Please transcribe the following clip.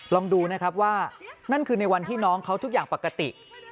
ลองดูนะครับว่านั่นคือในวันที่น้องเขาทุกอย่างปกติ